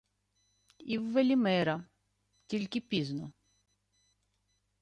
— І в Велімира... Тільки пізно...